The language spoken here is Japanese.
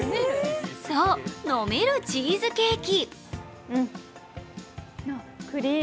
そう、飲めるチーズケーキ。